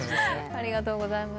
ありがとうございます。